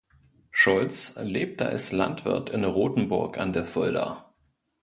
Schultz lebte als Landwirt in Rotenburg an der Fulda.